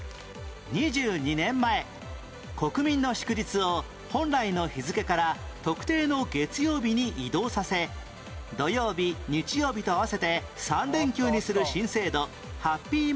２２年前国民の祝日を本来の日付から特定の月曜日に移動させ土曜日日曜日と合わせて３連休にする新制度ハッピー